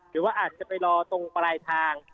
หรือว่าอาจจะไปรอตรงปลายทาง